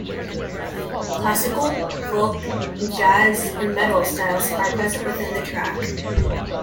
Classical, folk, jazz and metal styles are present within the track.